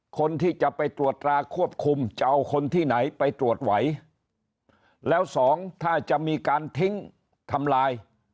คนที่จะไปตรวจตราควบคุมจะเอาคนที่ไหนไปตรวจไหวแล้วสองถ้าจะมีการทิ้งทำลาย